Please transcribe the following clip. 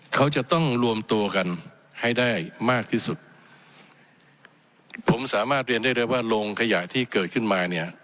เขาจะต้องรวมตัวกันให้ได้มากที่สุดผมสามารถเรียนได้เลยว่าโรงขยะที่เกิดขึ้นมาเนี่ย